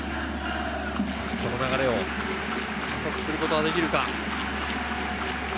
その流れを加速することはできるか？